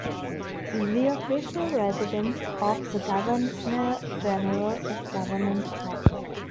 The official residence of the Governor-General is Government House.